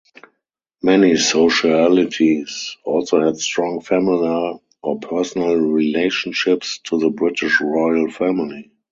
Many socialites also had strong familial or personal relationships to the British Royal Family.